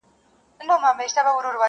حقيقت له کيسې نه لوی دی